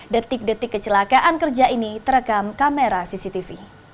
detik detik kecelakaan kerja ini terekam kamera cctv